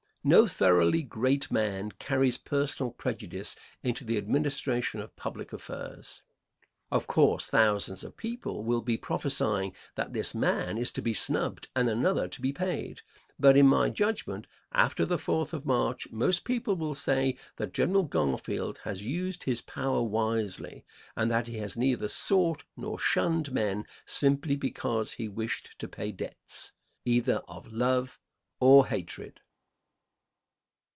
No thoroughly great man carries personal prejudice into the administration of public affairs. Of course, thousands of people will be prophesying that this man is to be snubbed and another to be paid; but, in my judgment, after the 4th of March most people will say that General Garfield has used his power wisely and that he has neither sought nor shunned men simply because he wished to pay debts either of love or hatred.